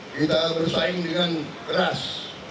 kita bersaing dengan keras